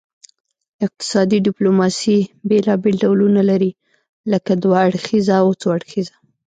اقتصادي ډیپلوماسي بیلابیل ډولونه لري لکه دوه اړخیزه او څو اړخیزه